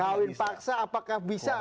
kawin paksa apakah bisa